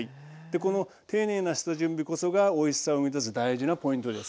この丁寧な下準備こそがおいしさを生み出す大事なポイントです。